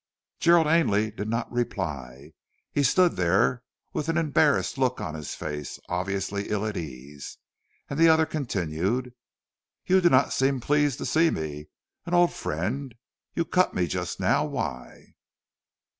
Gerald Ainley did not reply. He stood there with an embarrassed look on his face, obviously ill at ease, and the other continued: "You do not seem pleased to see me an old friend you cut me just now. Why?"